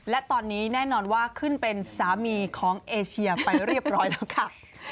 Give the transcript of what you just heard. และตอนนี้แน่นอนว่าขึ้นเป็นสามีของเอเชียไปเรียบร้อยแล้วค่ะ